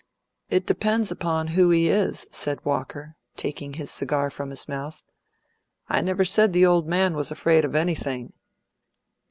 "It depends upon who he is," said Walker, taking his cigar from his mouth. "I never said the old man was afraid of anything."